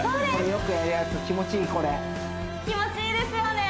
よくやるやつ気持ちいいこれ気持ちいいですよね